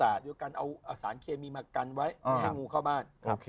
แล้วกันเอาสารเคมีมากันไว้ให้งูเข้าบ้าน